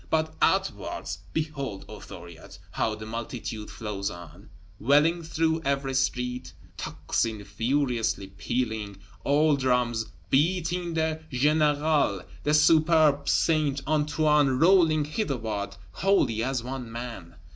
But outwards, behold, O Thuriot, how the multitude flows on, welling through every street, tocsin furiously pealing, all drums beating the générale; the suburb Saint Antoine rolling hitherward wholly as one man!